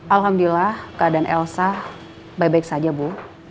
alhamdulillah keadaan elsa baik baik saja bu